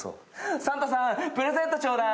サンタさん、プレゼントちょうだい。